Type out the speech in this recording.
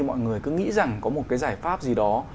mọi người cứ nghĩ rằng có một cái giải pháp gì đó